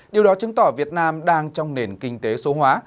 điều đó chứng tỏ việt nam đang trong nền kinh tế số hóa